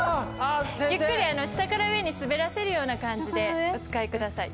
ゆっくり下から上に滑らせるような感じでお使いください。